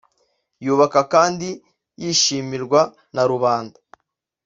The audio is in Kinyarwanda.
yubaka kandi yishimirwa na rubanda